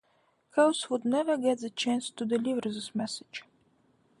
Kells would never get the chance to deliver this message.